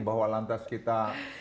bahwa lantas kita